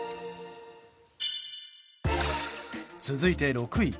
続いて６位。